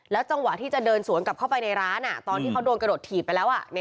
จังหวะที่จะเดินสวนกลับเข้าไปในร้านตอนที่เขาโดนกระโดดถีบไปแล้ว